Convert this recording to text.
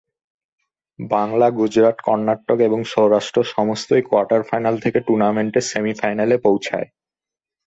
বাংলা, গুজরাট, কর্ণাটক এবং সৌরাষ্ট্র সমস্তই quarter final থেকে টুর্নামেন্টের সেমিফাইনালে পৌঁছায়।